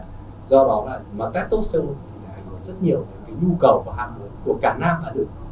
do đó là mà test tốt sâu cao thì đã có rất nhiều cái nhu cầu của hạng của cả nam đã được